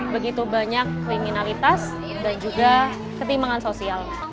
begitu banyak kriminalitas dan juga ketimbangan sosial